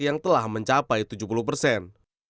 yang telah mencapai tujuh puluh persen